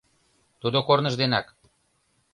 Тудо корныж денак!